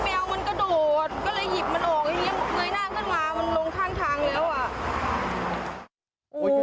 มาจากจังหวัดชนบุรีค่ะ